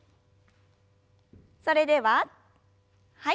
それでははい。